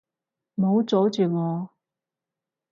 唔好阻止我！